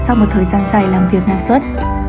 sau một thời gian dài làm việc nạp xuất